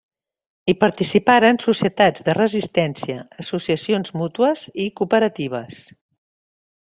Hi participaren societats de resistència, associacions mútues i cooperatives.